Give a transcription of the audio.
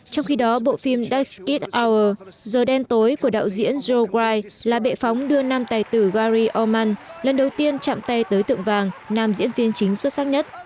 trong khi đó bộ phim dark skid hour giờ đen tối của đạo diễn joe gray là bệ phóng đưa nam tài tử gary orman lần đầu tiên chạm tay tới tượng vàng nam diễn viên chính xuất sắc nhất